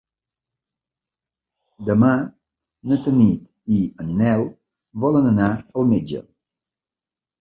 Demà na Tanit i en Nel volen anar al metge.